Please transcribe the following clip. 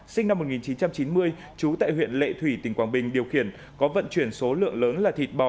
sinh năm một nghìn chín trăm chín mươi trú tại huyện lệ thủy tỉnh quảng bình điều khiển có vận chuyển số lượng lớn là thịt bò